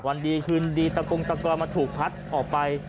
วันดีคืนดีตะกงตะกอนมาถูกพัดออกไป